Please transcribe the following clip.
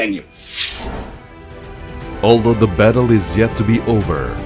meskipun perang belum berakhir